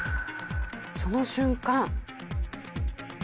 その瞬間。